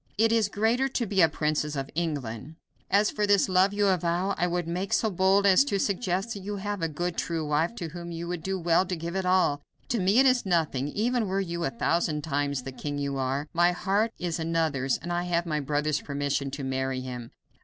It is greater to be a princess of England. As for this love you avow, I would make so bold as to suggest that you have a good, true wife to whom you would do well to give it all. To me it is nothing, even were you a thousand times the king you are. My heart is another's, and I have my brother's permission to marry him."